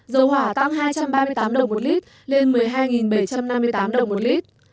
dầu hỏa tăng hai trăm ba mươi tám đồng một lít lên một mươi hai bảy trăm năm mươi tám đồng một lít